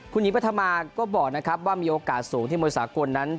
คุณหญิงปฐมาก็บอกนะครับว่ามีโอกาสสูงที่มวยสากลนั้น